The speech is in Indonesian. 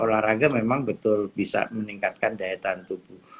olahraga memang betul bisa meningkatkan daya tahan tubuh